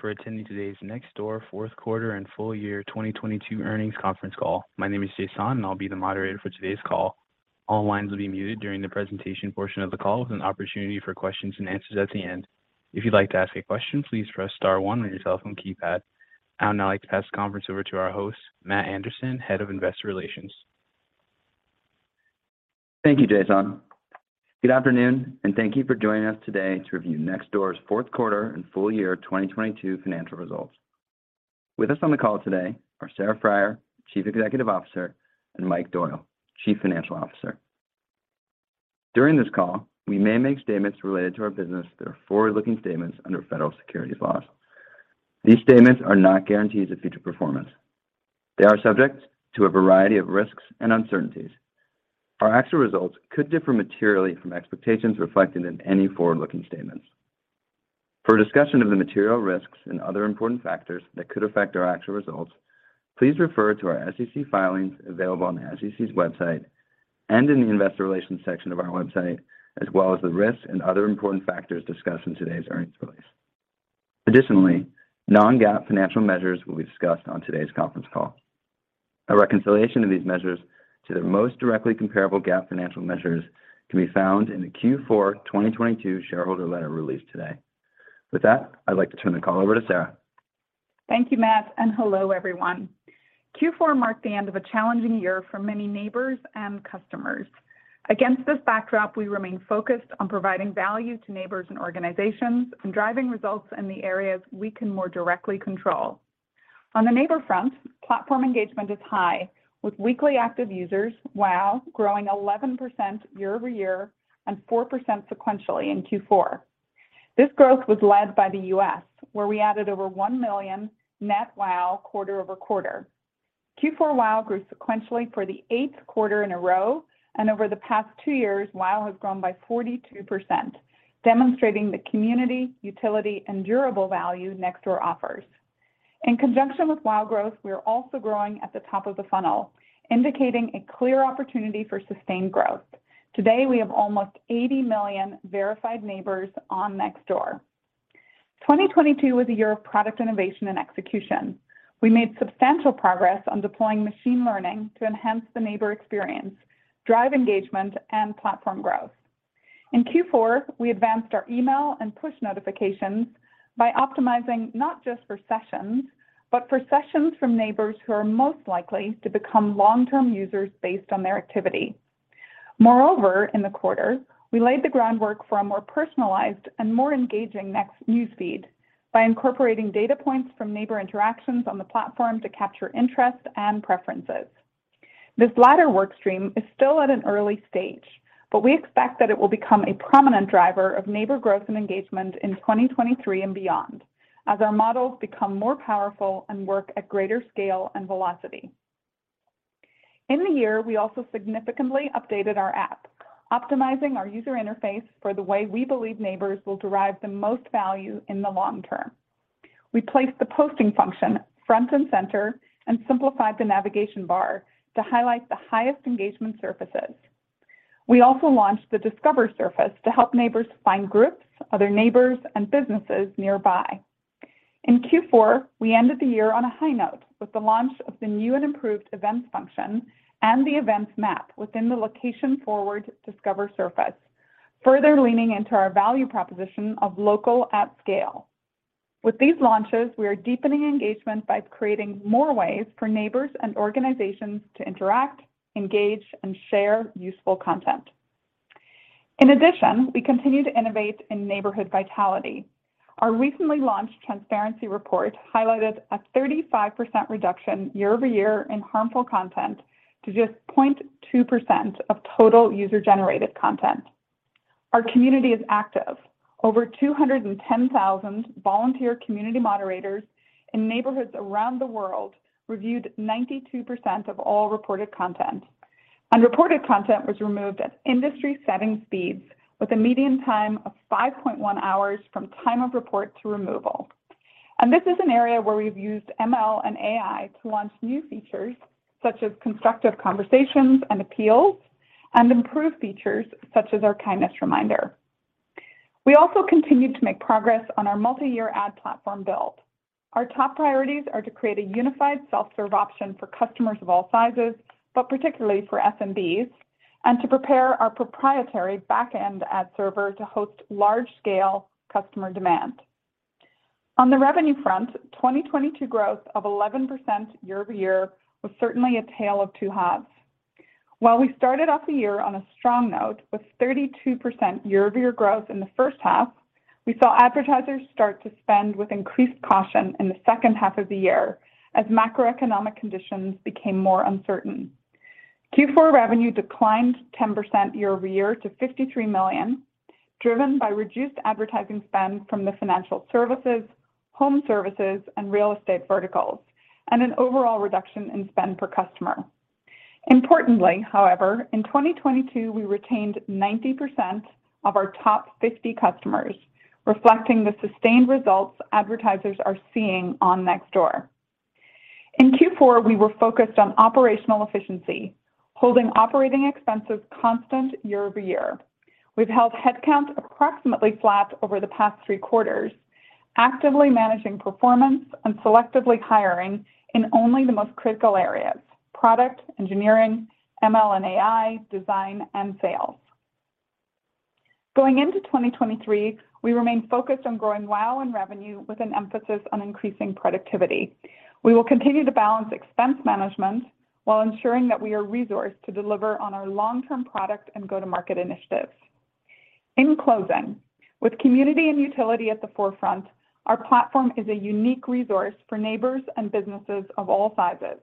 For attending today's Nextdoor fourth quarter and full year 2022 earnings conference call. My name is Jason, and I'll be the moderator for today's call. All lines will be muted during the presentation portion of the call with an opportunity for questions and answers at the end. If you'd like to ask a question, please press star one on your telephone keypad. I'd now like to pass the conference over to our host, Matt Anderson, Head of Investor Relations. Thank you, Jason. Good afternoon, and thank you for joining us today to review Nextdoor's fourth quarter and full year 2022 financial results. With us on the call today are Sarah Friar, Chief Executive Officer, and Mike Doyle, Chief Financial Officer. During this call, we may make statements related to our business that are forward-looking statements under federal securities laws. These statements are not guarantees of future performance. They are subject to a variety of risks and uncertainties. Our actual results could differ materially from expectations reflected in any forward-looking statements. For a discussion of the material risks and other important factors that could affect our actual results, please refer to our SEC filings available on the SEC's website and in the investor relations section of our website, as well as the risks and other important factors discussed in today's earnings release. Additionally, non-GAAP financial measures will be discussed on today's conference call. A reconciliation of these measures to the most directly comparable GAAP financial measures can be found in the Q4 2022 shareholder letter released today. With that, I'd like to turn the call over to Sarah. Thank you, Matt. Hello, everyone. Q4 marked the end of a challenging year for many neighbors and customers. Against this backdrop, we remain focused on providing value to neighbors and organizations and driving results in the areas we can more directly control. On the neighbor front, platform engagement is high, with weekly active users, WAU, growing 11% year-over-year and 4% sequentially in Q4. This growth was led by the U.S., where we added over 1 million net WAU quarter-over-quarter. Q4 WAU grew sequentially for the eighth quarter in a row. Over the past two years, WAU has grown by 42%, demonstrating the community, utility, and durable value Nextdoor offers. In conjunction with WAU growth, we are also growing at the top of the funnel, indicating a clear opportunity for sustained growth. Today, we have almost 80 million verified neighbors on Nextdoor. 2022 was a year of product innovation and execution. We made substantial progress on deploying machine learning to enhance the neighbor experience, drive engagement, and platform growth. In Q4, we advanced our email and push notifications by optimizing not just for sessions, but for sessions from neighbors who are most likely to become long-term users based on their activity. In the quarter, we laid the groundwork for a more personalized and more engaging Next newsfeed by incorporating data points from neighbor interactions on the platform to capture interest and preferences. This latter work stream is still at an early stage, but we expect that it will become a prominent driver of neighbor growth and engagement in 2023 and beyond as our models become more powerful and work at greater scale and velocity. In the year, we also significantly updated our app, optimizing our user interface for the way we believe neighbors will derive the most value in the long term. We placed the posting function front and center and simplified the navigation bar to highlight the highest engagement surfaces. We also launched the Discover surface to help neighbors find groups, other neighbors, and businesses nearby. In Q4, we ended the year on a high note with the launch of the new and improved Events function and the Events Map within the location-forward Discover surface, further leaning into our value proposition of local at scale. With these launches, we are deepening engagement by creating more ways for neighbors and organizations to interact, engage, and share useful content. In addition, we continue to innovate in neighborhood vitality. Our recently launched transparency report highlighted a 35% reduction year-over-year in harmful content to just 0.2% of total user-generated content. Our community is active. Over 210,000 volunteer community moderators in neighborhoods around the world reviewed 92% of all reported content. Unreported content was removed at industry-setting speeds with a median time of 5.1 hours from time of report to removal. This is an area where we've used ML and AI to launch new features such as Constructive Conversations and appeals and improve features such as our Kindness Reminder. We also continued to make progress on our multi-year ad platform build. Our top priorities are to create a unified self-serve option for customers of all sizes, but particularly for SMBs, and to prepare our proprietary back-end ad server to host large-scale customer demand. On the revenue front, 2022 growth of 11% year-over-year was certainly a tale of two halves. While we started off the year on a strong note with 32% year-over-year growth in the first half, we saw advertisers start to spend with increased caution in the second half of the year as macroeconomic conditions became more uncertain. Q4 revenue declined 10% year-over-year to $53 million, driven by reduced advertising spend from the financial services, home services, and real estate verticals, and an overall reduction in spend per customer. Importantly, however, in 2022, we retained 90% of our top 50 customers, reflecting the sustained results advertisers are seeing on Nextdoor. In Q4, we were focused on operational efficiency, holding operating expenses constant year-over-year. We've held headcount approximately flat over the past three quarters, actively managing performance and selectively hiring in only the most critical areas: product, engineering, ML/AI, design, and sales. Going into 2023, we remain focused on growing WAU in revenue with an emphasis on increasing productivity. We will continue to balance expense management while ensuring that we are resourced to deliver on our long-term product and go-to-market initiatives. In closing, with community and utility at the forefront, our platform is a unique resource for neighbors and businesses of all sizes.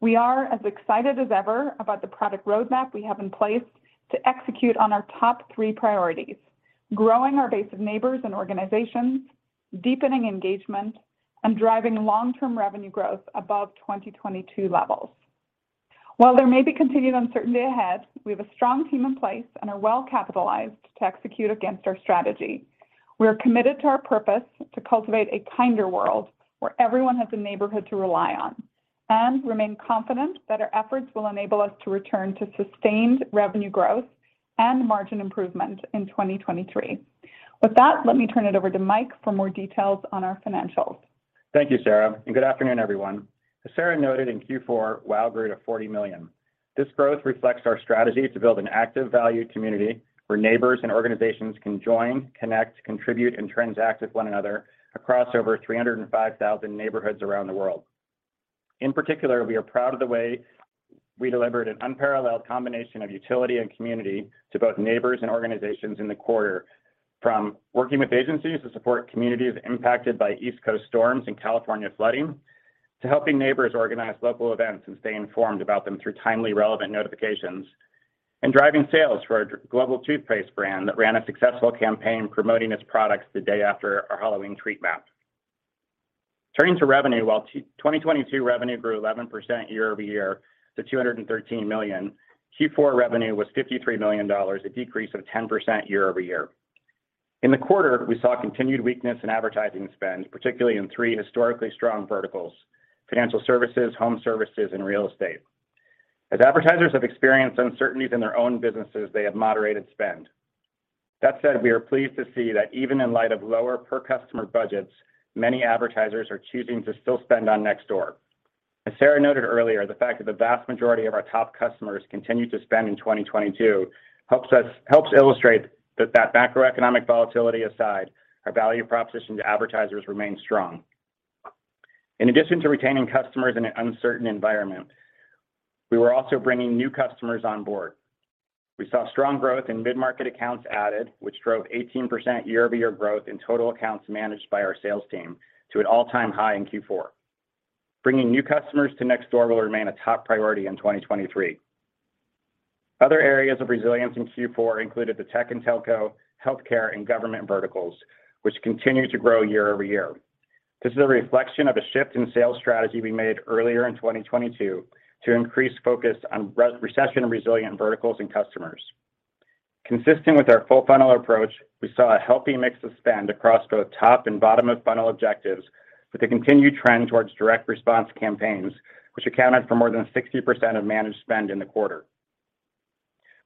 We are as excited as ever about the product roadmap we have in place to execute on our top three priorities: growing our base of neighbors and organizations, deepening engagement, and driving long-term revenue growth above 2022 levels. While there may be continued uncertainty ahead, we have a strong team in place and are well-capitalized to execute against our strategy. We are committed to our purpose to cultivate a kinder world where everyone has a neighborhood to rely on and remain confident that our efforts will enable us to return to sustained revenue growth and margin improvement in 2023. With that, let me turn it over to Mike for more details on our financials. Thank you, Sarah. Good afternoon, everyone. As Sarah noted in Q4, WAU grew to 40 million. This growth reflects our strategy to build an active value community where neighbors and organizations can join, connect, contribute, and transact with one another across over 305,000 neighborhoods around the world. In particular, we are proud of the way we delivered an unparalleled combination of utility and community to both neighbors and organizations in the quarter, from working with agencies to support communities impacted by East Coast storms and California flooding, to helping neighbors organize local events and stay informed about them through timely, relevant notifications, and driving sales for a global toothpaste brand that ran a successful campaign promoting its products the day after our Halloween Treat Map. Turning to revenue, while 2022 revenue grew 11% year-over-year to $213 million, Q4 revenue was $53 million, a decrease of 10% year-over-year. In the quarter, we saw continued weakness in advertising spend, particularly in three historically strong verticals: financial services, home services, and real estate. As advertisers have experienced uncertainties in their own businesses, they have moderated spend. That said, we are pleased to see that even in light of lower per customer budgets, many advertisers are choosing to still spend on Nextdoor. As Sarah noted earlier, the fact that the vast majority of our top customers continued to spend in 2022 helps illustrate that macroeconomic volatility aside, our value proposition to advertisers remains strong. In addition to retaining customers in an uncertain environment, we were also bringing new customers on board. We saw strong growth in mid-market accounts added, which drove 18% year-over-year growth in total accounts managed by our sales team to an all-time high in Q4. Bringing new customers to Nextdoor will remain a top priority in 2023. Other areas of resilience in Q4 included the tech and telco, healthcare, and government verticals, which continued to grow year-over-year. This is a reflection of a shift in sales strategy we made earlier in 2022 to increase focus on recession resilient verticals and customers. Consistent with our full-funnel approach, we saw a healthy mix of spend across both top and bottom-of-funnel objectives, with a continued trend towards direct response campaigns, which accounted for more than 60% of managed spend in the quarter.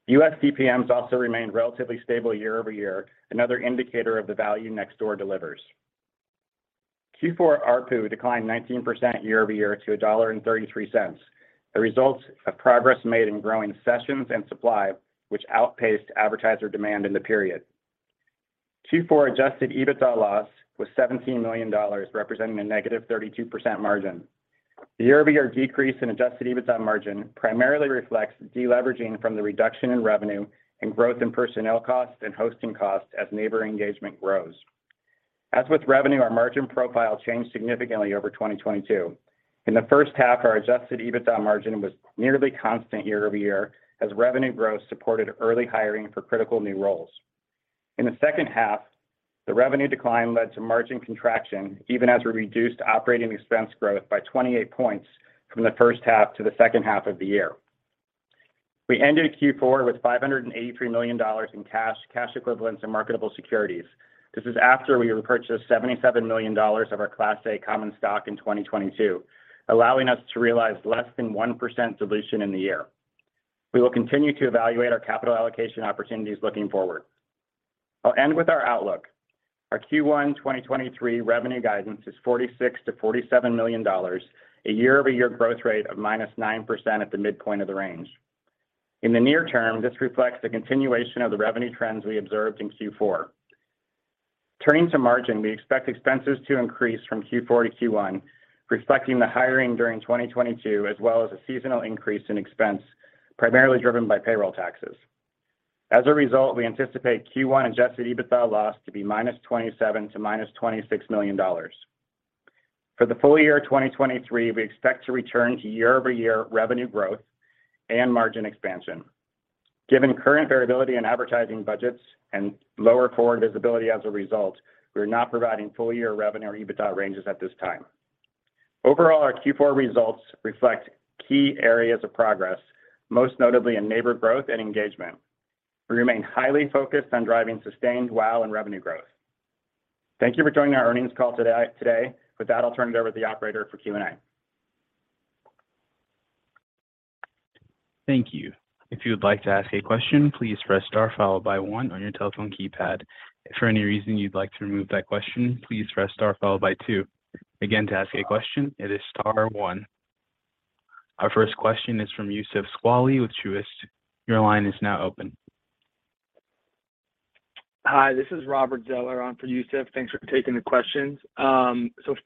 U.S. CPMs also remained relatively stable year-over-year, another indicator of the value Nextdoor delivers. Q4 ARPU declined 19% year-over-year to $1.33, the results of progress made in growing sessions and supply, which outpaced advertiser demand in the period. Q4 adjusted EBITDA loss was $17 million, representing -32% margin. The year-over-year decrease in adjusted EBITDA margin primarily reflects deleveraging from the reduction in revenue and growth in personnel costs and hosting costs as neighbor engagement grows. As with revenue, our margin profile changed significantly over 2022. In the first half, our adjusted EBITDA margin was nearly constant year-over-year as revenue growth supported early hiring for critical new roles. In the second half, the revenue decline led to margin contraction even as we reduced operating expense growth by 28 points from the first half to the second half of the year. We ended Q4 with $583 million in cash equivalents, and marketable securities. This is after we repurchased $77 million of our Class A common stock in 2022, allowing us to realize less than 1% dilution in the year. We will continue to evaluate our capital allocation opportunities looking forward. I'll end with our outlook. Our Q1 2023 revenue guidance is $46 million-$47 million, a year-over-year growth rate of -9% at the midpoint of the range. In the near term, this reflects the continuation of the revenue trends we observed in Q4. Turning to margin, we expect expenses to increase from Q4 to Q1, reflecting the hiring during 2022, as well as a seasonal increase in expense, primarily driven by payroll taxes. We anticipate Q1 adjusted EBITDA loss to be -$27 million to -$26 million. For the full year 2023, we expect to return to year-over-year revenue growth and margin expansion. Given current variability in advertising budgets and lower forward visibility as a result, we are not providing full-year revenue or EBITDA ranges at this time. Our Q4 results reflect key areas of progress, most notably in neighbor growth and engagement. We remain highly focused on driving sustained WAU and revenue growth. Thank you for joining our earnings call today. I'll turn it over to the operator for Q&A. Thank you. If you would like to ask a question, please press star followed by one on your telephone keypad. If for any reason you'd like to remove that question, please press star followed by two. Again, to ask a question, it is star one. Our first question is from Youssef Squali with Truist. Your line is now open. Hi, this is Robert Zeller on for Youssef. Thanks for taking the questions.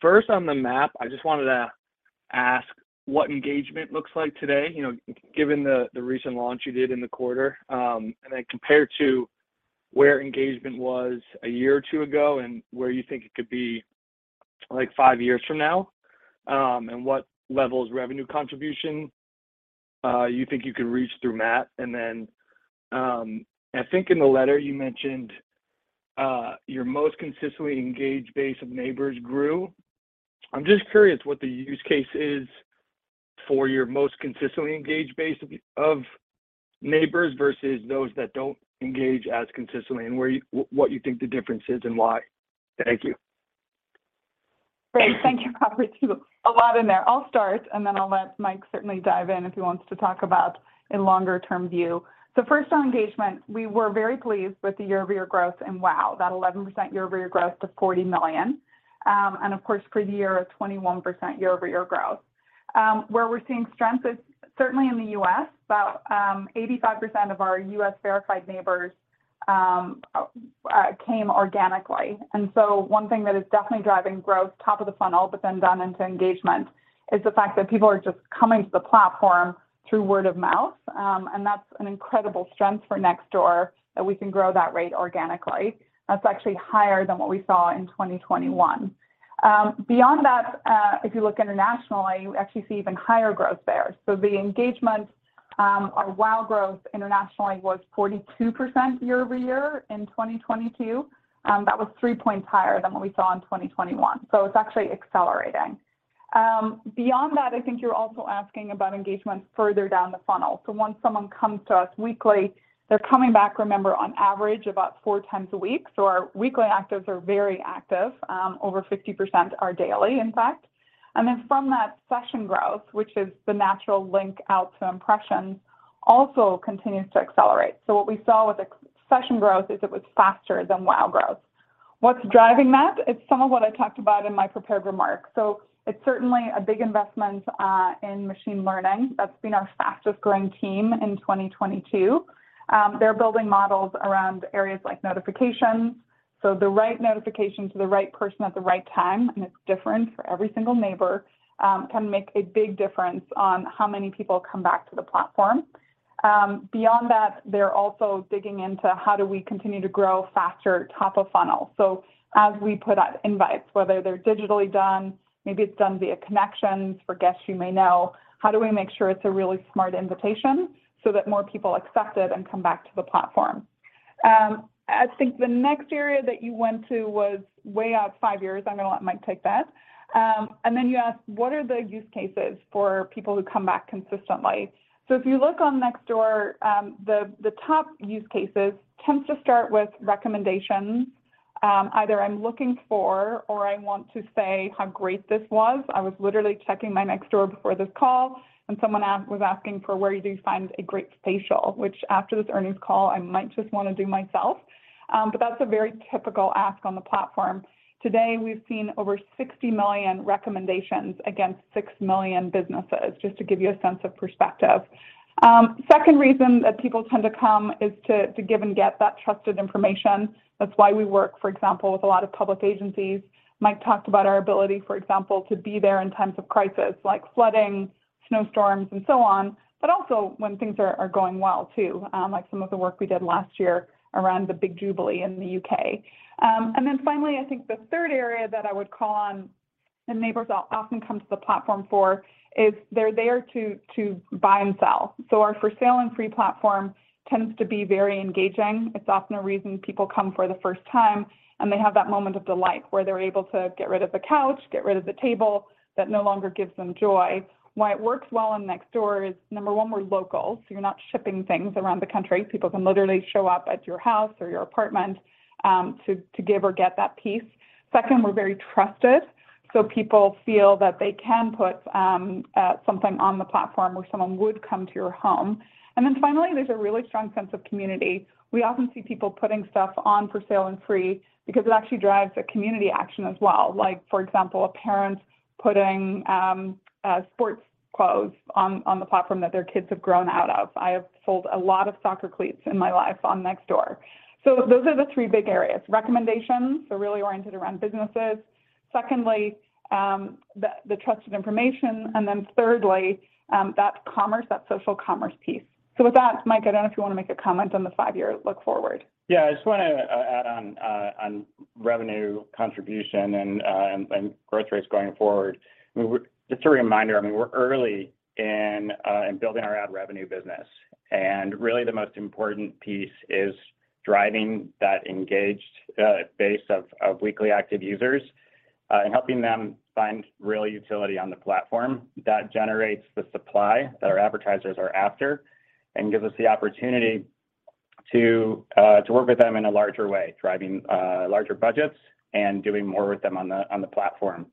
First on the Map, I just wanted to ask what engagement looks like today, you know, given the recent launch you did in the quarter, and then compare to where engagement was one or two years ago and where you think it could be like five years from now, and what levels revenue contribution you think you could reach through Map. I think in the letter you mentioned your most consistently engaged base of neighbors grew. I'm just curious what the use case is for your most consistently engaged base of neighbors versus those that don't engage as consistently and what you think the difference is and why. Thank you. Great. Thank you, Robert, too. A lot in there. I'll start. I'll let Mike certainly dive in if he wants to talk about a longer-term view. First on engagement, we were very pleased with the year-over-year growth and WAU, that 11% year-over-year growth to $40 million. Of course, for the year, a 21% year-over-year growth. Where we're seeing strength is certainly in the U.S. About 85% of our U.S. Verified Neighbors came organically. One thing that is definitely driving growth top of the funnel but then down into engagement is the fact that people are just coming to the platform through word-of-mouth. That's an incredible strength for Nextdoor, that we can grow that rate organically. That's actually higher than what we saw in 2021. Beyond that, if you look internationally, you actually see even higher growth there. The engagement, our WAU growth internationally was 42% year over year in 2022. That was 3 points higher than what we saw in 2021. It's actually accelerating. Beyond that, I think you're also asking about engagement further down the funnel. Once someone comes to us weekly, they're coming back, remember, on average, about four times a week. Our weekly actives are very active. Over 50% are daily, in fact. From that session growth, which is the natural link out to impressions, also continues to accelerate. What we saw with the session growth is it was faster than WAU growth. What's driving that? It's some of what I talked about in my prepared remarks. It's certainly a big investment in machine learning. That's been our fastest-growing team in 2022. They're building models around areas like notifications. The right notification to the right person at the right time, and it's different for every single neighbor, can make a big difference on how many people come back to the platform. Beyond that, they're also digging into how do we continue to grow faster top of funnel. As we put out invites, whether they're digitally done, maybe it's done via Connections for Guests You May Know, how do we make sure it's a really smart invitation so that more people accept it and come back to the platform? I think the next area that you went to was way out five years. I'm gonna let Mike take that. You asked, what are the use cases for people who come back consistently? If you look on Nextdoor, the top use cases tends to start with recommendations. Either I'm looking for or I want to say how great this was. I was literally checking my Nextdoor before this call, someone was asking for where do you find a great facial, which after this earnings call, I might just wanna do myself. That's a very typical ask on the platform. Today, we've seen over 60 million recommendations against 6 million businesses, just to give you a sense of perspective. Second reason that people tend to come is to give and get that trusted information. That's why we work, for example, with a lot of public agencies. Mike talked about our ability, for example, to be there in times of crisis, like flooding, snowstorms, and so on, but also when things are going well too, like some of the work we did last year around the Big Jubilee in the U.K. Finally, I think the third area that I would call on and neighbors often come to the platform for is they're there to buy and sell. Our For Sale & Free platform tends to be very engaging. It's often a reason people come for the first time, and they have that moment of delight where they're able to get rid of the couch, get rid of the table that no longer gives them joy. Why it works well on Nextdoor is, number one, we're local, so you're not shipping things around the country. People can literally show up at your house or your apartment to give or get that piece. Second, we're very trusted, people feel that they can put something on the platform where someone would come to your home. Finally, there's a really strong sense of community. We often see people putting stuff on For Sale & Free because it actually drives a community action as well, like for example, a parent putting sports clothes on the platform that their kids have grown out of. I have sold a lot of soccer cleats in my life on Nextdoor. Those are the three big areas, recommendations, so really oriented around businesses. Secondly, the trusted information. Thirdly, that social commerce piece. With that, Mike, I don't know if you want to make a comment on the five-year look forward. Yeah. I just wanna add on revenue contribution and growth rates going forward. I mean, we're just a reminder, I mean, we're early in building our ad revenue business. Really the most important piece is driving that engaged base of weekly active users And helping them find real utility on the platform, that generates the supply that our advertisers are after and gives us the opportunity to work with them in a larger way, driving larger budgets and doing more with them on the platform.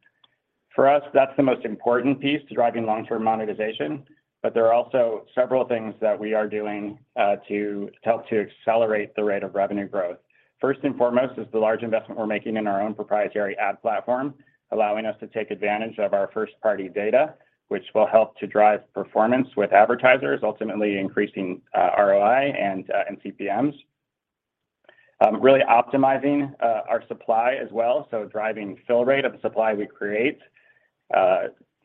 For us, that's the most important piece to driving long-term monetization, but there are also several things that we are doing to help to accelerate the rate of revenue growth. First and foremost is the large investment we're making in our own proprietary ad platform, allowing us to take advantage of our first-party data, which will help to drive performance with advertisers, ultimately increasing ROI and CPMs. Really optimizing our supply as well, so driving fill rate of the supply we create,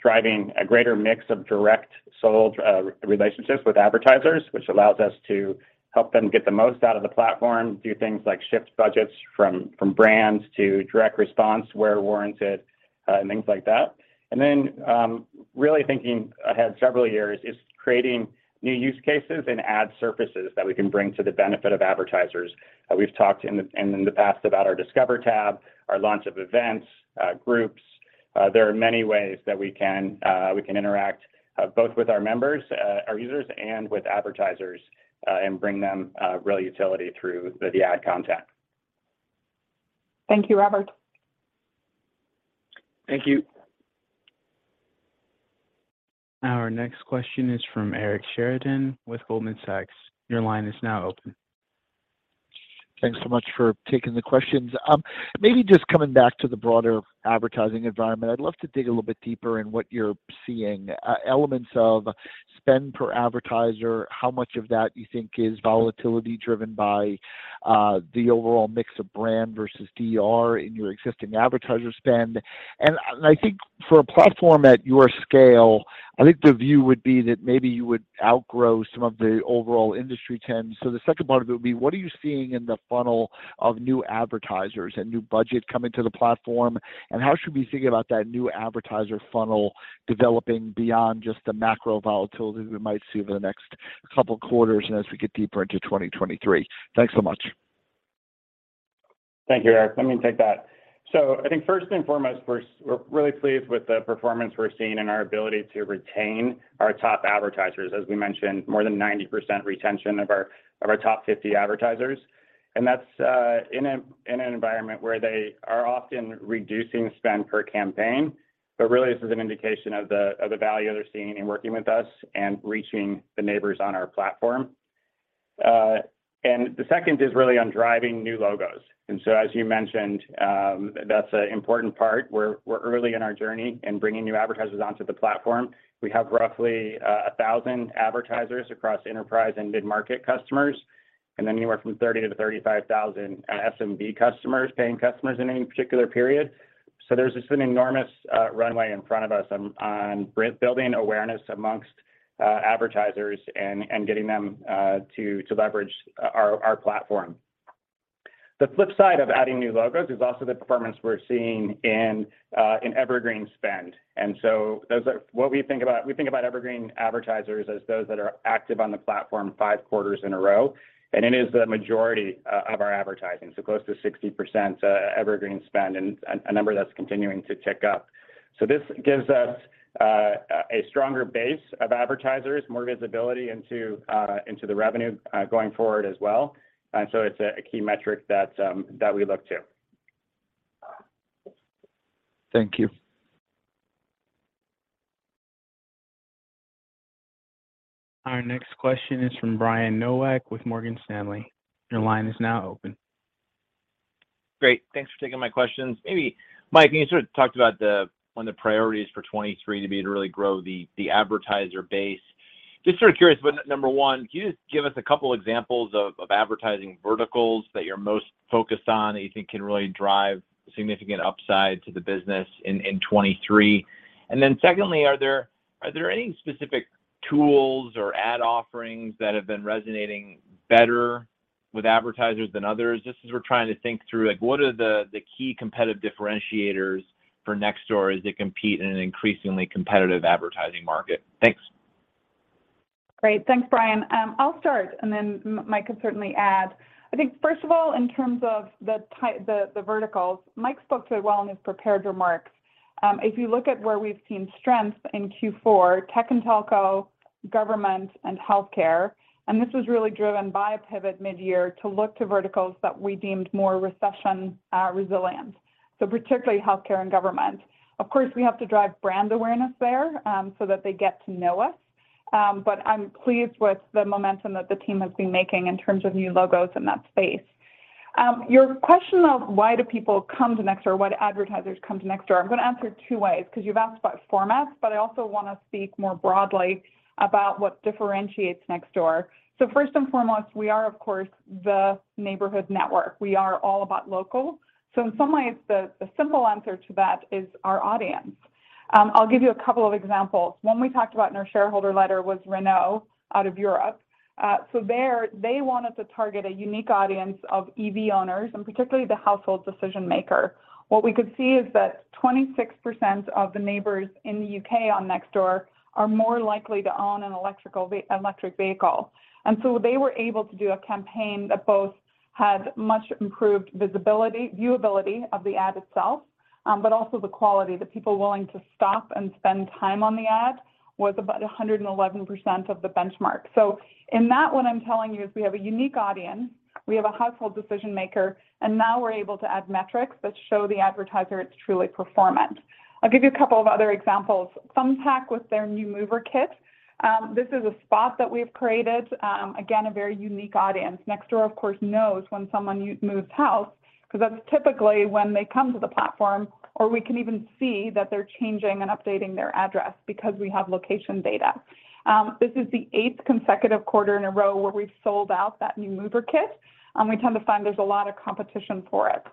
driving a greater mix of direct sold relationships with advertisers, which allows us to help them get the most out of the platform, do things like shift budgets from brands to direct response where warranted, and things like that. Really thinking ahead several years is creating new use cases and ad surfaces that we can bring to the benefit of advertisers. We've talked in the past about our Discover tab, our launch of Events, Groups. There are many ways that we can interact both with our members, our users, and with advertisers, and bring them real utility through the ad contact. Thank you, Robert. Thank you. Our next question is from Eric Sheridan with Goldman Sachs Group, Inc. Your line is now open. Thanks so much for taking the questions. Maybe just coming back to the broader advertising environment, I'd love to dig a little bit deeper in what you're seeing. Elements of spend per advertiser, how much of that you think is volatility driven by the overall mix of brand versus DR in your existing advertiser spend. I think for a platform at your scale, I think the view would be that maybe you would outgrow some of the overall industry ten. The second part of it would be, what are you seeing in the funnel of new advertisers and new budget coming to the platform, and how should we be thinking about that new advertiser funnel developing beyond just the macro volatility we might see over the next couple quarters and as we get deeper into 2023? Thanks so much. Thank you, Eric. Let me take that. I think first and foremost, we're really pleased with the performance we're seeing and our ability to retain our top advertisers. As we mentioned, more than 90% retention of our Top 50 advertisers. That's in an environment where they are often reducing spend per campaign. Really, this is an indication of the value they're seeing in working with us and reaching the neighbors on our platform. The second is really on driving new logos. As you mentioned, that's an important part. We're early in our journey in bringing new advertisers onto the platform. We have roughly 1,000 advertisers across enterprise and mid-market customers, and then anywhere from 30,000-35,000 SMB customers, paying customers in any particular period. There's just an enormous runway in front of us on building awareness amongst advertisers and getting them to leverage our platform. The flip side of adding new logos is also the performance we're seeing in evergreen spend. What we think about, we think about evergreen advertisers as those that are active on the platform five quarters in a row, and it is the majority of our advertising, so close to 60% evergreen spend and a number that's continuing to tick up. This gives us a stronger base of advertisers, more visibility into the revenue going forward as well. It's a key metric that we look to. Thank you. Our next question is from Brian Nowak with Morgan Stanley. Your line is now open. Great. Thanks for taking my questions. Maybe, Mike, you sort of talked about one of the priorities for 2023 to be to really grow the advertiser base. Just sort of curious. Number one, can you just give us a couple examples of advertising verticals that you're most focused on that you think can really drive significant upside to the business in 2023? Secondly, are there any specific tools or ad offerings that have been resonating better with advertisers than others? Just as we're trying to think through, like what are the key competitive differentiators for Nextdoor as they compete in an increasingly competitive advertising market? Thanks. Great. Thanks, Brian. I'll start, and then Mike can certainly add. I think first of all, in terms of the verticals, Mike spoke to it well in his prepared remarks. If you look at where we've seen strength in Q4, tech and telco, government, and healthcare, this was really driven by a pivot midyear to look to verticals that we deemed more recession resilient, so particularly healthcare and government. Of course, we have to drive brand awareness there, so that they get to know us. I'm pleased with the momentum that the team has been making in terms of new logos in that space. Your question of why do people come to Nextdoor or why do advertisers come to Nextdoor, I'm gonna answer two ways, 'cause you've asked about formats, but I also wanna speak more broadly about what differentiates Nextdoor. First and foremost, we are, of course, the neighborhood network. We are all about local. In some ways the simple answer to that is our audience. I'll give you a couple of examples. One we talked about in our Shareholder Letter was Renault out of Europe. There they wanted to target a unique audience of EV owners, and particularly the household decision-maker. What we could see is that 26% of the neighbors in the U.K. on Nextdoor are more likely to own an electric vehicle. They were able to do a campaign that both had much improved visibility, viewability of the ad itself, but also the quality, the people willing to stop and spend time on the ad was about 111% of the benchmark. In that one I'm telling you is we have a unique audience, we have a household decision maker, and now we're able to add metrics that show the advertiser it's truly performant. I'll give you a couple of other examples. Thumbtack with their New Mover Kit. This is a spot that we've created, again, a very unique audience. Nextdoor, of course, knows when someone moves house 'cause that's typically when they come to the platform or we can even see that they're changing and updating their address because we have location data. This is the eighth consecutive quarter in a row where we've sold out that New Mover Kit, we tend to find there's a lot of competition for it.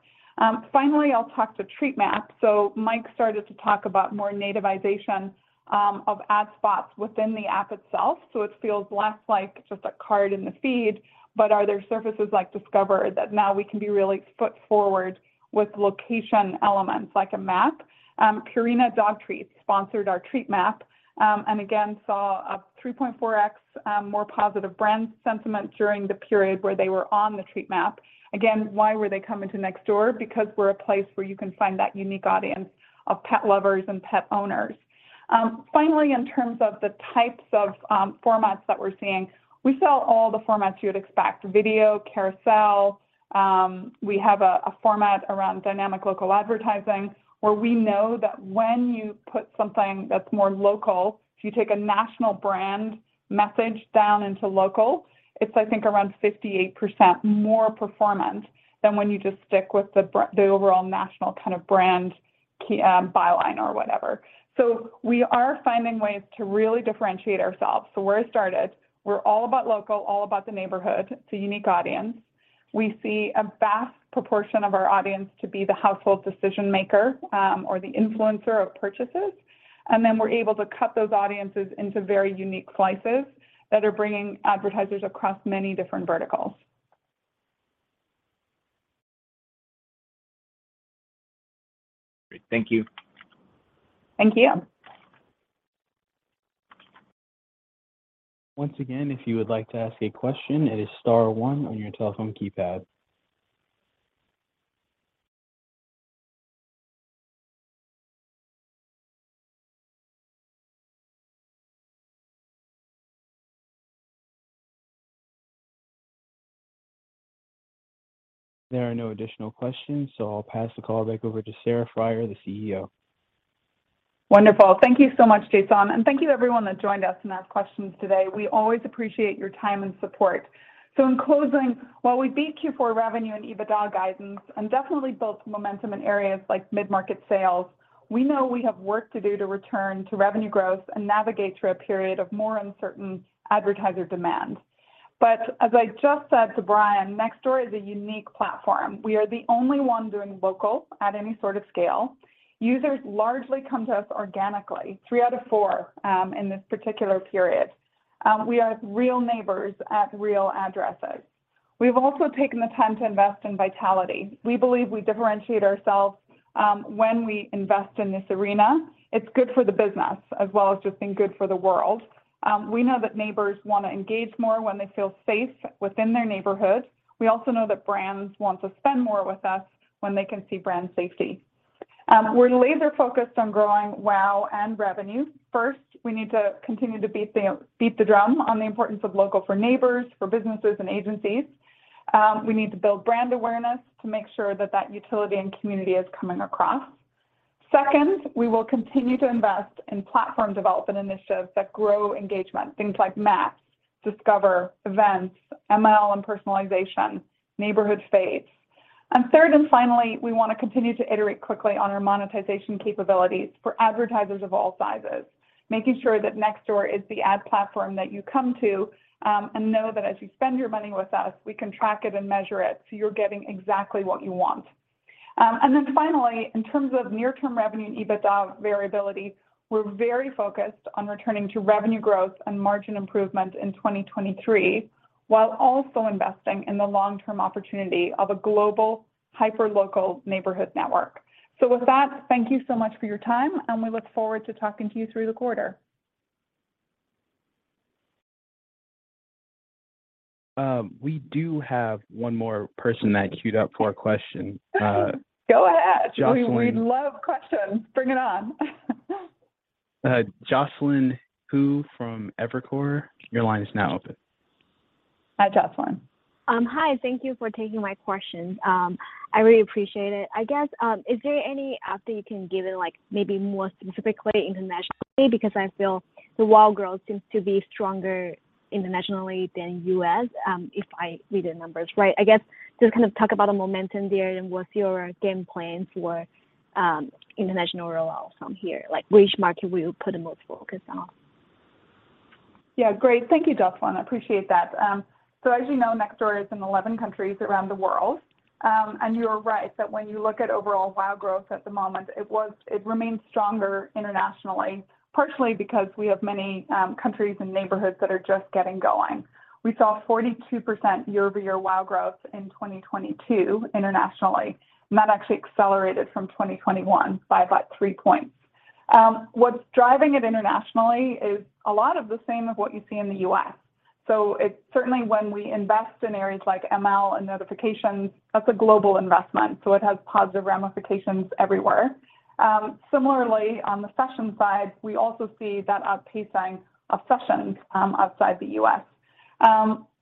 Finally, I'll talk to Treat Map. Mike started to talk about more nativization of ad spots within the app itself. It feels less like just a card in the feed, but are there surfaces like Discover that now we can be really foot forward with location elements like a map. Purina Dog Treats sponsored our Treat Map, and again, saw a 3.4x more positive brand sentiment during the period where they were on the Treat Map. Why were they coming to Nextdoor? Because we're a place where you can find that unique audience of pet lovers and pet owners. Finally, in terms of the types of formats that we're seeing, we sell all the formats you'd expect. Video, carousel, we have a format around dynamic local advertising where we know that when you put something that's more local, if you take a national brand message down into local, it's I think around 58% more performant than when you just stick with the overall national kind of brand key byline or whatever. We are finding ways to really differentiate ourselves. We're all about local, all about the neighborhood. It's a unique audience. We see a vast proportion of our audience to be the household decision maker or the influencer of purchases, and then we're able to cut those audiences into very unique slices that are bringing advertisers across many different verticals. Great. Thank you. Thank you. Once again, if you would like to ask a question, it is star one on your telephone keypad. There are no additional questions. I'll pass the call back over to Sarah Friar, the CEO. Wonderful. Thank you so much, Jason, and thank you to everyone that joined us and asked questions today. We always appreciate your time and support. In closing, while we beat Q4 revenue and EBITDA guidance and definitely built momentum in areas like mid-market sales, we know we have work to do to return to revenue growth and navigate through a period of more uncertain advertiser demand. As I just said to Brian, Nextdoor is a unique platform. We are the only one doing local at any sort of scale. Users largely come to us organically, three out of four, in this particular period. We are real neighbors at real addresses. We've also taken the time to invest in vitality. We believe we differentiate ourselves, when we invest in this arena. It's good for the business as well as just being good for the world. We know that neighbors wanna engage more when they feel safe within their neighborhood. We also know that brands want to spend more with us when they can see brand safety. We're laser-focused on growing WAU and revenue. First, we need to continue to beat the drum on the importance of local for neighbors, for businesses and agencies. We need to build brand awareness to make sure that that utility and community is coming across. Second, we will continue to invest in platform development initiatives that grow engagement, things like Maps, Discover, Events, ML, and Personalization, Neighborhood Feeds. Third and finally, we wanna continue to iterate quickly on our monetization capabilities for advertisers of all sizes, making sure that Nextdoor is the ad platform that you come to, and know that as you spend your money with us, we can track it and measure it so you're getting exactly what you want. Finally, in terms of near-term revenue and EBITDA variability, we're very focused on returning to revenue growth and margin improvement in 2023, while also investing in the long-term opportunity of a global, hyperlocal neighborhood network. With that, thank you so much for your time, and we look forward to talking to you through the quarter. We do have one more person that queued up for a question. Go ahead. We love questions. Bring it on. Jocelyn Hu from Evercore, your line is now open. Hi, Jocelyn. Hi. Thank you for taking my questions. I really appreciate it. I guess, is there any update you can give in, like, maybe more specifically internationally? Because I feel the WAU growth seems to be stronger internationally than U.S., if I read the numbers right. I guess just kind of talk about the momentum there and what's your game plan for international rollout from here? Like, which market will you put the most focus on? Yeah, great. Thank you, Jocelyn. I appreciate that. As you know, Nextdoor is in 11 countries around the world. And you're right that when you look at overall WAU growth at the moment, it remains stronger internationally, partially because we have many countries and neighborhoods that are just getting going. We saw 42% year-over-year WAU growth in 2022 internationally, and that actually accelerated from 2021 by about three points. What's driving it internationally is a lot of the same of what you see in the U.S. It's certainly when we invest in areas like ML and notifications, that's a global investment, so it has positive ramifications everywhere. Similarly on the session side, we also see that up pay sign of sessions outside the U.S.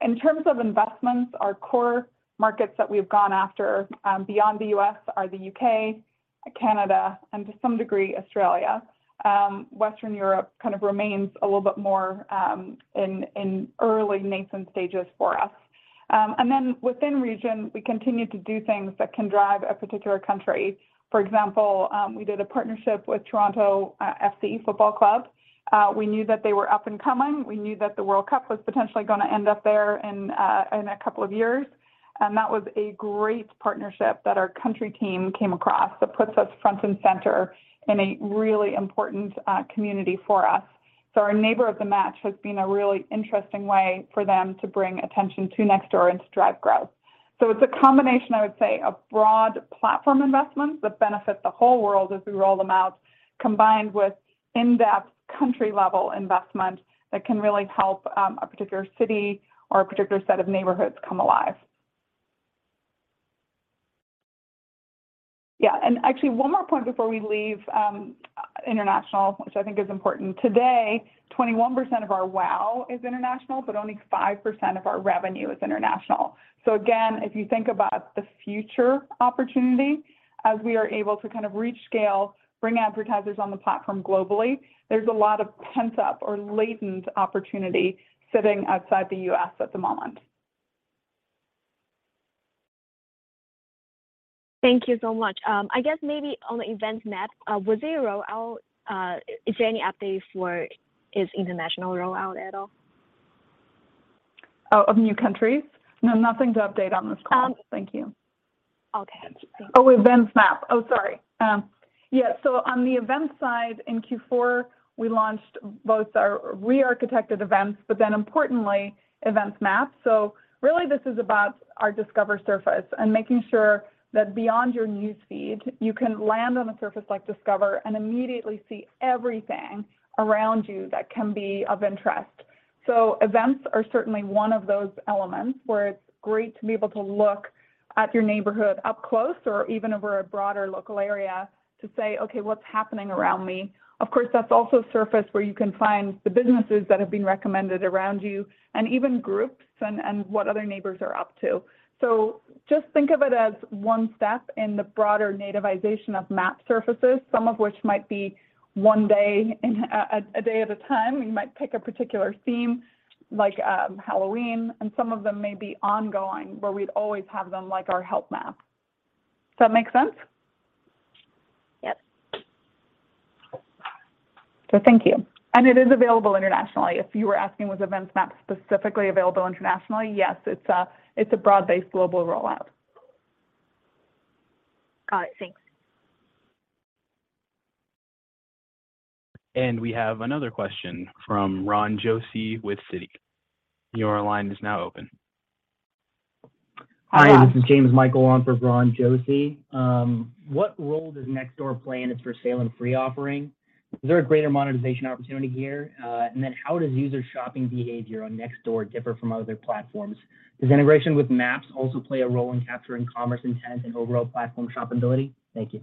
In terms of investments, our core markets that we've gone after, beyond the U.S. are the U.K., Canada, and to some degree Australia. Western Europe kind of remains a little bit more in early nascent stages for us. Then within region, we continue to do things that can drive a particular country. For example, we did a partnership with Toronto FC Football Club. We knew that they were up and coming. We knew that the World Cup was potentially gonna end up there in a couple of years. That was a great partnership that our country team came across that puts us front and center in a really important community for us. Our Neighbor of the Match has been a really interesting way for them to bring attention to Nextdoor and to drive growth. It's a combination, I would say, of broad platform investments that benefit the whole world as we roll them out, combined with in-depth country level investment that can really help a particular city or a particular set of neighborhoods come alive. Yeah, actually one more point before we leave international, which I think is important. Today, 21% of our WAU is international, only 5% of our revenue is international. Again, if you think about the future opportunity as we are able to kind of reach scale, bring advertisers on the platform globally, there's a lot of pent-up or latent opportunity sitting outside the U.S. at the moment. Thank you so much. I guess maybe on the Events Map, will they roll out, is there any updates for its international rollout at all? Oh, of new countries? No, nothing to update on this call. Thank you. Okay. Events Map. Sorry. Yeah, on the Events side in Q4, we launched both our rearchitected Events, but then importantly Events Map. Really this is about our Discover surface and making sure that beyond your newsfeed, you can land on a surface like Discover and immediately see everything around you that can be of interest. Events are certainly one of those elements where it's great to be able to look at your neighborhood up close or even over a broader local area to say, "Okay, what's happening around me?" Of course, that's also a surface where you can find the businesses that have been recommended around you and even groups and what other neighbors are up to. Just think of it as one step in the broader nativization of map surfaces. Some of which might be one day in, a day at a time. We might pick a particular theme like Halloween, and some of them may be ongoing, where we'd always have them like our Help Map. Does that make sense? Yep. Thank you. It is available internationally. If you were asking was Events Map specifically available internationally? Yes. It's a broad-based global rollout. Got it. Thanks. We have another question from Ron Josey with Citi. Your line is now open. Hi, this is Jamesmichael on for Ron Josey. What role does Nextdoor play in its For Sale & Free offering? Is there a greater monetization opportunity here? How does user shopping behavior on Nextdoor differ from other platforms? Does integration with maps also play a role in capturing commerce intent and overall platform shoppability? Thank you.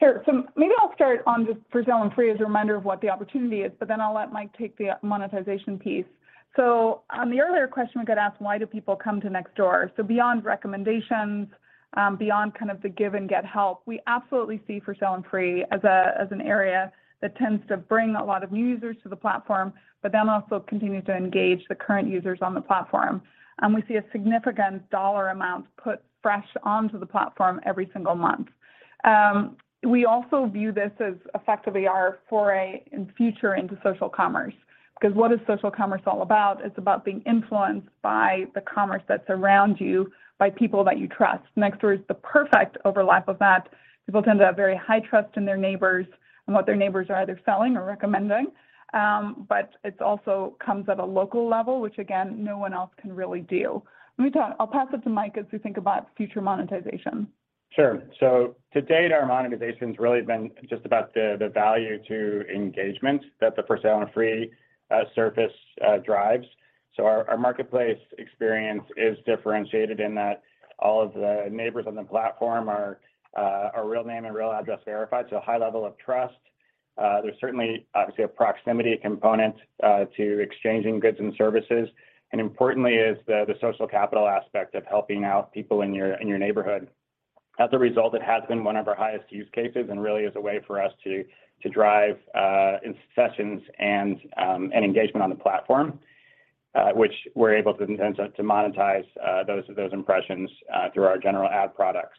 Sure. Maybe I'll start on just For Sale & Free as a reminder of what the opportunity is, but then I'll let Mike take the monetization piece. On the earlier question, we got asked why do people come to Nextdoor? Beyond recommendations, beyond kind of the give and get help, we absolutely see For Sale & Free as an area that tends to bring a lot of new users to the platform, but then also continues to engage the current users on the platform. We see a significant dollar amount put fresh onto the platform every single month. We also view this as effectively our foray in future into social commerce, because what is social commerce all about? It's about being influenced by the commerce that's around you by people that you trust. Nextdoor is the perfect overlap of that. People tend to have very high trust in their neighbors and what their neighbors are either selling or recommending. It also comes at a local level, which again, no one else can really do. I'll pass it to Mike as we think about future monetization. Sure. To date, our monetization's really been just about the value to engagement that the For Sale & Free surface drives. Our marketplace experience is differentiated in that all of the neighbors on the platform are real name and real address verified, so a high level of trust. There's certainly obviously a proximity component to exchanging goods and services, and importantly is the social capital aspect of helping out people in your neighborhood. As a result, it has been one of our highest use cases and really is a way for us to drive sessions and engagement on the platform, which we're able to monetize those impressions through our general ad products.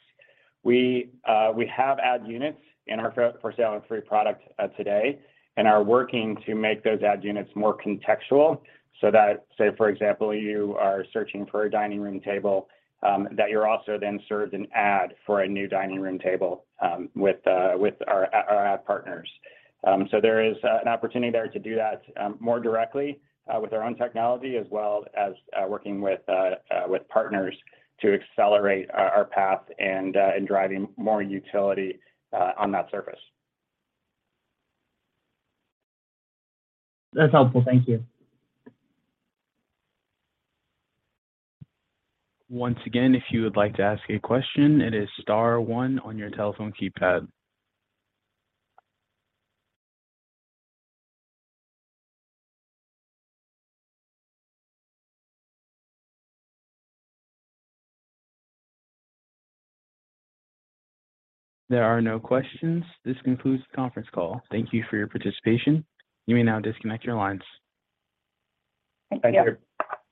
We have ad units in our For Sale & Free product today, and are working to make those ad units more contextual so that, say for example, you are searching for a dining room table, that you're also then served an ad for a new dining room table, with our ad partners. There is an opportunity there to do that more directly with our own technology as well as working with partners to accelerate our path and driving more utility on that surface. That's helpful. Thank you. Once again, if you would like to ask a question, it is star one on your telephone keypad. There are no questions. This concludes the conference call. Thank you for your participation. You may now disconnect your lines. Thank you.